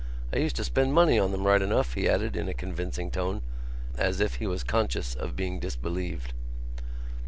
I used to spend money on them right enough," he added, in a convincing tone, as if he was conscious of being disbelieved.